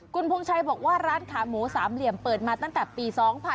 คุณพงชัยบอกว่าร้านขาหมูสามเหลี่ยมเปิดมาตั้งแต่ปี๒๕๕๘